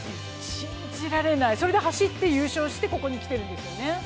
信じられないそれで走って優勝してここに来てるんですよね。